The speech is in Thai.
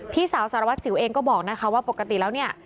พี่สาวสารวัตรสิวเองก็บอกนะคะว่าปกติแล้วเนี่ย